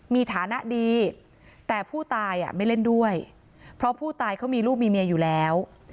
มีฐานะดีแต่ผู้ตายไม่เล่นด้วยเพราะผู้ตายเขามีลูกมีเมียอยู่แล้ว